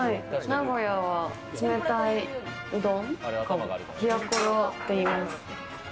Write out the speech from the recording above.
名古屋は冷たいうどんを「ひやころ」といいます。